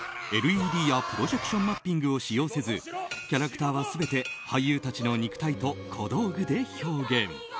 ＬＥＤやプロジェクションマッピングを使用せずキャラクターは全て俳優たちの肉体と小道具で表現。